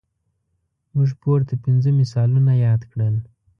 موږ پورته پنځه مثالونه یاد کړل.